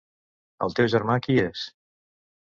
El teu germà, qui és?